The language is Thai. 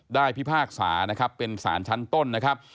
พิพากษานะครับเป็นสารชั้นต้นนะครับ